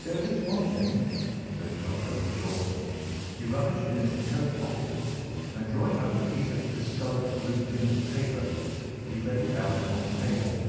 "There is one thing," said John Openshaw. He rummaged in his coat pocket, and, drawing out a piece of discoloured, blue tinted paper, he laid it out upon the table.